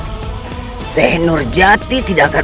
apa yang dilakukan